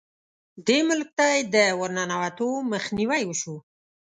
دې ملک ته یې د ورننوتو مخنیوی وشو.